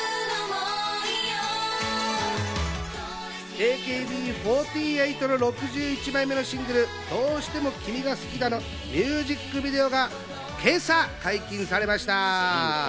ＡＫＢ４８の６１枚目のシングル『どうしても君が好きだ』のミュージックビデオが今朝解禁されました。